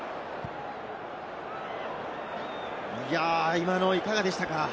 今のはいかがでしたか？